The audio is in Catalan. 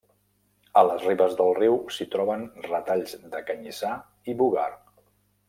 A les ribes del riu s’hi troben retalls de canyissar i bogar.